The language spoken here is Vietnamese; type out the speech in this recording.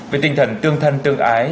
với tinh thần tương thân tương ái